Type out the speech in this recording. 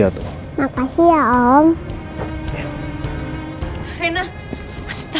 itu tak apa apa